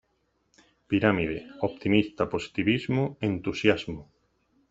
Pirámide: Optimista, positivismo, entusiasmo.